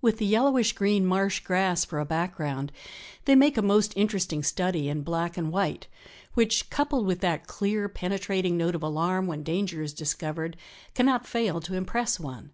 With the yellowish green marsh grass for a background, they make a most interesting study in black and white, which, coupled with that clear penetrating note of alarm when danger is discovered, cannot fail to impress one."